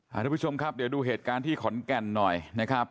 ทุกผู้ชมครับเดี๋ยวดูเหตุการณ์ที่ขอนแก่นหน่อยนะครับ